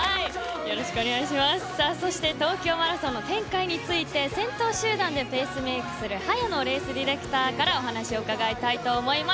そして東京マラソンの展開について先頭集団でペースメイクをするレースディレクターから話を伺いたいと思います。